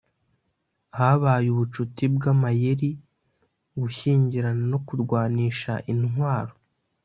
habaye ubucuti bw'amayeri, gushyingirana no kurwanisha intwaro.